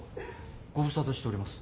ご無沙汰しております。